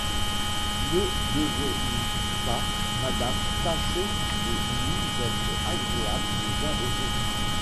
Ne devons-nous pas, madame, tâcher de nous être agréables les uns aux autres...